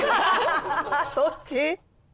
そっち？